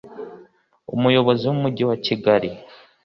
umuyobozi w umujyi wa kigali